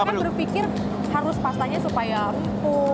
karena kan guru pikir harus pastanya supaya rumput